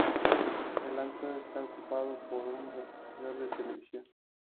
El alto está ocupado por un repetidor de televisión.